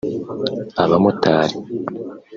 abamotari